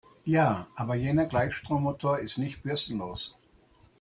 Ja, aber jener Gleichstrommotor ist nicht bürstenlos.